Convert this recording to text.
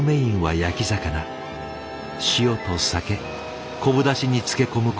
塩と酒昆布だしに漬け込むこと６時間。